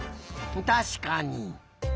たしかに。